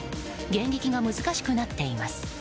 迎撃が難しくなっています。